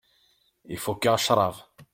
Ifukk-aɣ ccrab.